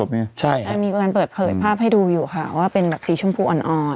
ใช่มีการเปิดเผยภาพให้ดูอยู่ค่ะว่าเป็นแบบสีชมพูอ่อน